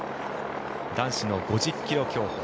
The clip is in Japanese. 男子の５０ｋｍ競歩。